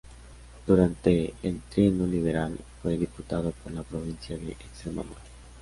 Durante el Trienio Liberal fue diputado por la provincia de Extremadura.